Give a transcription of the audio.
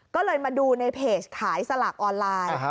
ก็เลยมาดูในเพจขายสลากออนไลน์